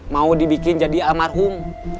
mau dibikin jadi almarhum